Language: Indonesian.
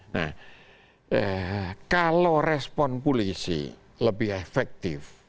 nah kalau respon polisi lebih efektif